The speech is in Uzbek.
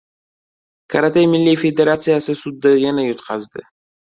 Karate milliy federatsiyasi sudda yana yutqazdi!